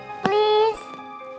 papa gak salah kok